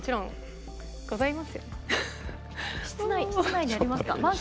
室内にありますか？